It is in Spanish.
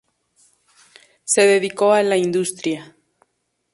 Se dedicó a la Industria.